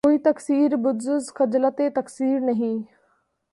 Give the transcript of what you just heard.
کوئی تقصیر بجُز خجلتِ تقصیر نہیں